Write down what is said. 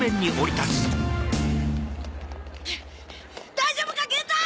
大丈夫か元太！